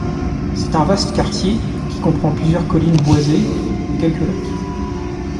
C'est un vaste quartier qui comprend plusieurs collines boisées et quelques lacs.